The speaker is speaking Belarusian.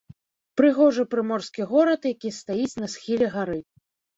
Прыгожы прыморскі горад, які стаіць на схіле гары.